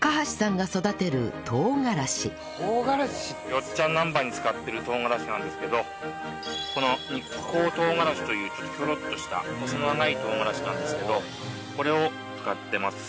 よっちゃんなんばんに使ってる唐辛子なんですけどこの日光とうがらしというちょっとヒョロッとした細長い唐辛子なんですけどこれを使ってます。